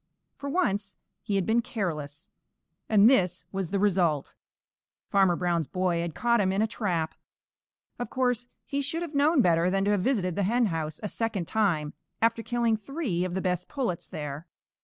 For once he had been careless, and this was the result. Farmer Brown's boy had caught him in a trap. Of course, he should have known better than to have visited the henhouse a second time after killing three of the best pullets there.